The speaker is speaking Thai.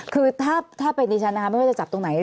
คือถ้าเป็นดิฉันนะคะไม่ว่าจะจับตรงไหน